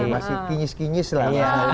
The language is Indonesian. masih kinis kinis lah